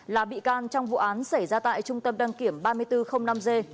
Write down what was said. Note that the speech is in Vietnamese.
là bị can trong vụ án xảy ra tại trung tâm đăng kiểm ba nghìn bốn trăm linh năm g